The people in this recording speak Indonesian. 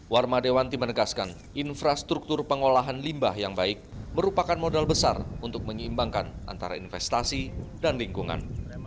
warma dewanti menegaskan infrastruktur pengolahan limbah yang baik merupakan modal besar untuk menyeimbangkan antara investasi dan lingkungan